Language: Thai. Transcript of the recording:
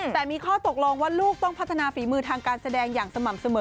แต่มีข้อตกลงว่าลูกต้องพัฒนาฝีมือทางการแสดงอย่างสม่ำเสมอ